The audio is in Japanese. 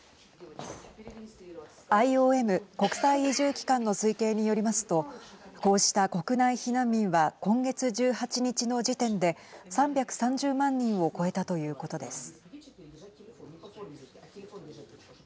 ＩＯＭ＝国際移住機関の推計によりますとこうした国内避難民は今月１８日の時点で３３０万人を超えたということです。